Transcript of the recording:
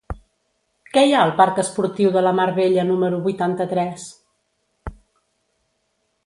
Què hi ha al parc Esportiu de la Mar Bella número vuitanta-tres?